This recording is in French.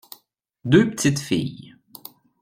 Deux petites filles.